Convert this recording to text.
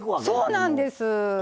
そうなんです。